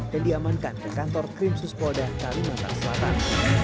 dan diamankan di kantor krim suspoda kalimantan selatan